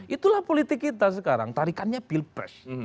itulah politik kita sekarang tarikannya pilpres